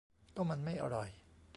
ก็มันไม่อร่อย